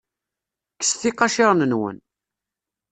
Kkset iqaciren-nwen.